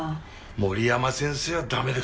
森山先生は駄目です！